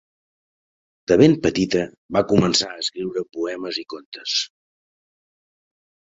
De ben petita va començar a escriure poemes i contes.